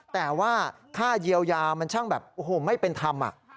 แต่ว่าค่าเยียวยามันช่างแบบโอ้โหไม่เป็นธรรม